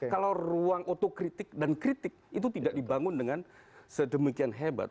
kalau ruang otokritik dan kritik itu tidak dibangun dengan sedemikian hebat